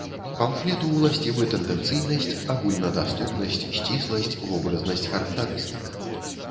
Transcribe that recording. Памфлету ўласцівы тэндэнцыйнасць, агульнадаступнасць, сцісласць, вобразнасць характарыстык.